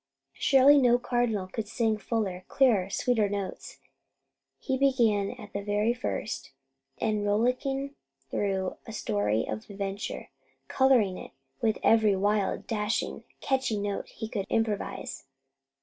Surely no cardinal could sing fuller, clearer, sweeter notes! He began at the very first, and rollicked through a story of adventure, colouring it with every wild, dashing, catchy note he could improvise.